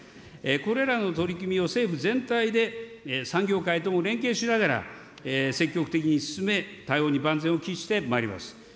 これらの取り組みを政府全体で、産業界とも連携しながら積極的に進め、対応に万全を期してまいります。